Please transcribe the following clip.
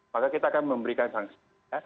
maka kita akan memberikan sanksi